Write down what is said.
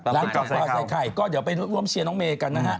จากข่าวใส่ไข่ก็เดี๋ยวไปร่วมเชียร์น้องเมย์กันนะฮะ